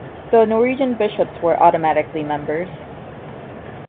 The Norwegian bishops were automatically members.